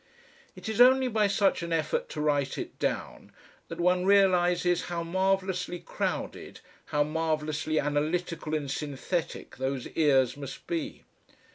It is only by such an effort to write it down that one realises how marvellously crowded, how marvellously analytical and synthetic those ears must be.